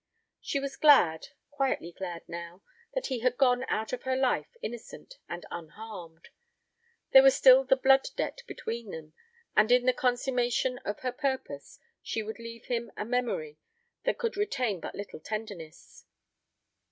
She was glad, quietly glad now, that he had gone out of her life innocent and unharmed. There was still the blood debt between them, and in the consummation of her purpose she would leave him a memory that could retain but little tenderness.